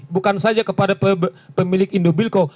bukan saja kepada pemilik indobilco